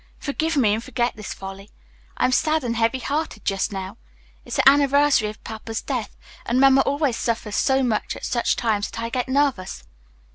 Forgive me, and forget this folly. I'm sad and heavyhearted just now; it's the anniversary of Papa's death, and Mamma always suffers so much at such times that I get nervous."